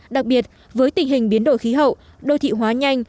đặc biệt với tình hình biến đổi khí hậu đô thị hóa nhanh